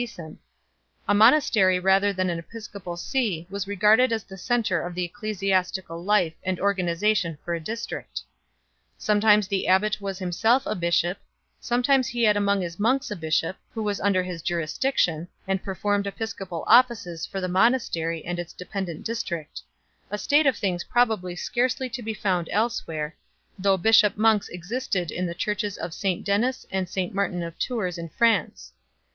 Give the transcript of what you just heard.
439 monastery rather than an episcopal see was regarded as the centre of ecclesiastical life and organization for a district. Sometimes the abbat was himself a bishop, sometimes he had among his monks a bishop, who was under his jurisdiction, and performed episcopal offices for the monastery and its dependent district 1 a state of things probably scarcely to be found elsewhere, though bishop monks existed in the churches of St Denys and St Martin of Tours in France 2